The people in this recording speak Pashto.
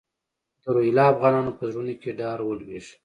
د روهیله افغانانو په زړونو کې ډار ولوېږي.